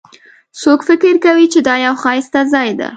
څوک فکر کوي چې دا یو ښایسته ځای ده